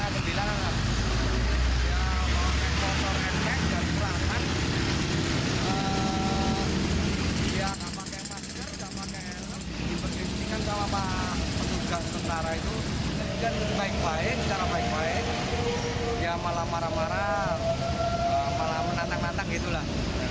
ketika petugas tentara itu dengan baik baik secara baik baik dia malah marah marah malah menantang nantang gitu lah